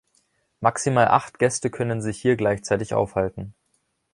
Maximal acht Gäste können sich hier gleichzeitig aufhalten.